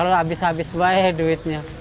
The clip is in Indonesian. kalau ini mah habis habis baik duitnya